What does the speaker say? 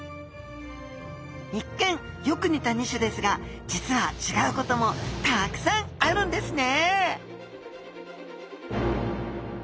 一見よくにた２種ですがじつは違うこともたくさんあるんですね